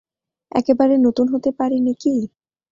একেবারে নতুন হতে পারি নে কি?